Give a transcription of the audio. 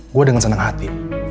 gue dengan senang hati